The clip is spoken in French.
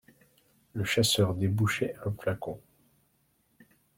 Le chasseur débouchait un flacon.